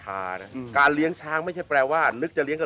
ชื่องนี้ชื่องนี้ชื่องนี้ชื่องนี้ชื่องนี้ชื่องนี้